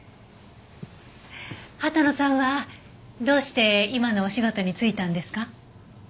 羽田野さんはどうして今のお仕事に就いたんですか？